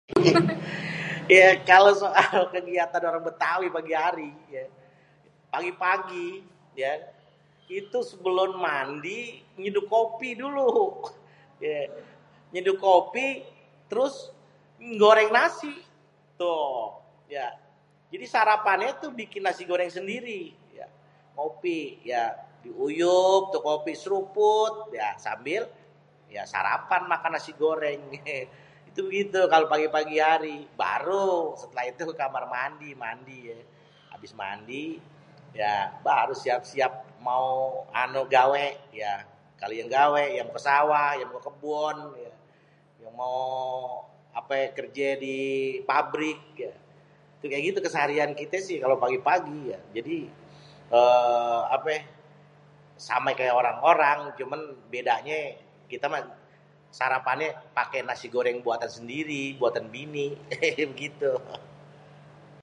Ya, kalo soal kegiatan orang Betawi di pagi hari, pagi-pagi ye itu sebelon mandi nyeduh kopi dulu. Nyeduh kopi, terus ngoreng nasi. Tuh ya, jadi sarapannya tuh bikin nasi goreng sendiri, ya. Kopi diuyup tuh kopi, sruput ya sambil sarapan ya makan nasi goreng. Itu begitu kalo pagi-pagi hari. Baru setelah itu baru ke kamar mandi ye, abis mandi ya baru siap-siap mau anu gawe ya, ya ke sawah, ke kebon, ya yang mao kerje di pabrik. Tuh kaya gitu keseharian kite sih, kalo pagi-pagi. Jadi, yeee ape same kaye orang-orang cuman bedanye kita mah sarapannya pake nasi goreng buatan sendiri buatan bini, hehehe begitu.